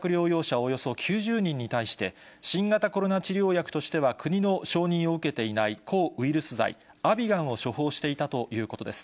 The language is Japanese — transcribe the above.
およそ９０人に対して、新型コロナ治療薬としては国の承認を受けていない抗ウイルス剤、アビガンを処方していたということです。